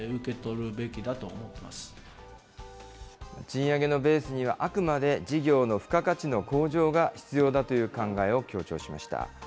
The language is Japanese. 賃上げのベースには、あくまで事業の付加価値の向上が必要だという考えを強調しました。